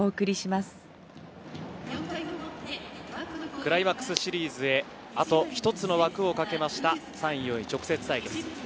クライマックスシリーズへ、あと１つの枠をかけた３位４位直接対決。